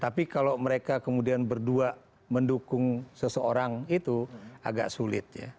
tapi kalau mereka kemudian berdua mendukung seseorang itu agak sulit ya